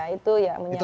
itu ya menyalahi